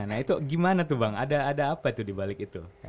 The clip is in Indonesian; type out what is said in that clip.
nah itu gimana tuh bang ada apa itu dibalik itu